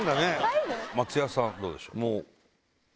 松也さんどうでしょう？